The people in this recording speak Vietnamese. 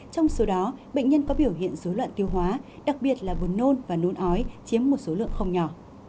trong số đó bệnh nhân có biểu hiện dối loạn tiêu hóa đặc biệt là buồn nôn và nôn ói chiếm một số lượng không nhỏ